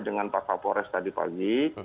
dengan pak pak pores tadi pagi